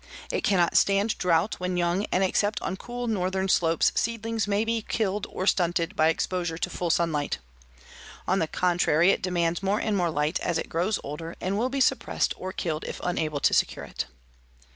It cannot stand drought when young and except on cool northern slopes seedlings may be killed or stunted by exposure to full sunlight. On the contrary it demands more and more light as it grows older and will be suppressed or killed if unable to secure it.